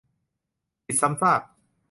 - ผิดซ้ำซาก